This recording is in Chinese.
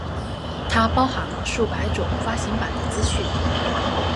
它包含了数百种发行版的资讯。